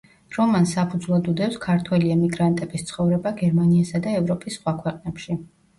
რომანს საფუძვლად უდევს ქართველი ემიგრანტების ცხოვრება გერმანიასა და ევროპის სხვა ქვეყნებში.